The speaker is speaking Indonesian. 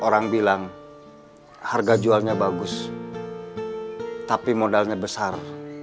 orang bilang harga jualnya bagus tapi modalnya besar